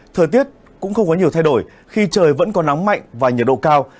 thời tiết cũng không có nhiều thay đổi khi trời vẫn có nắng mạnh và nhiệt độ cao